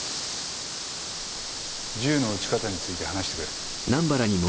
銃の撃ち方について話してくれ。